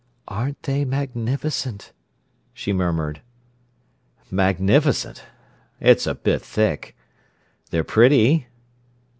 "Aren't they magnificent?" she murmured. "Magnificent! It's a bit thick—they're pretty!"